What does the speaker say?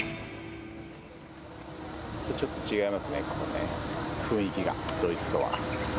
ちょっと違いますね、雰囲気が、ドイツとは。